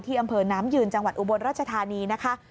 อำเภอน้ำยืนจังหวัดอุบลราชธานีนะคะ